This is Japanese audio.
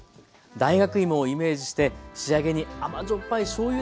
大学いもをイメージして仕上げに甘塩っぱいしょうゆ